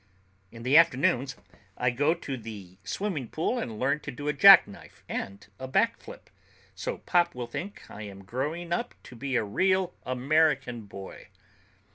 In the afternoons I go to the swimming pool and learn to do a jackknife and a backflip, so Pop will think I am growing up to be a Real American Boy.